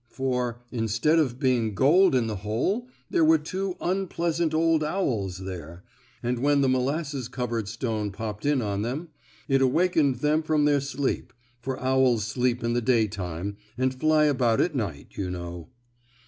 For, instead of being gold in the hole there were two unpleasant old owls there, and when the molasses covered stone popped in on them it awakened them from their sleep, for owls sleep in the day time, and fly about at night, you know.